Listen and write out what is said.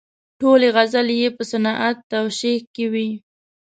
ټولې غزلې یې په صنعت توشیح کې وې.